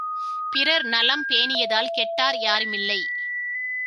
பிறர் நலம் பேணியதால் கெட்டார் யாரும் இல்லை.